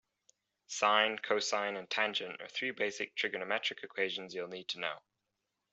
Sine, cosine and tangent are three basic trigonometric equations you'll need to know.